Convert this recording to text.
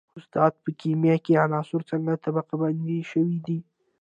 استاده په کیمیا کې عناصر څنګه طبقه بندي شوي دي